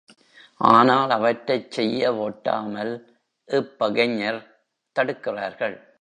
ஆனால் அவற்றைச் செய்யவொட்டாமல் இப்பகைஞர் தடுக்கிறார்கள்.